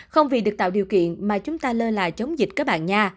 không vì được tạo điều kiện mà chúng ta lơ là chống dịch các bạn nga